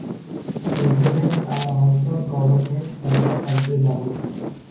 Residents are also governed at the county level.